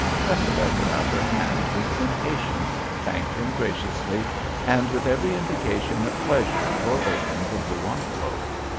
Cressida put out her hand with impatience, thanked him graciously, and with every indication of pleasure tore open the blue envelope.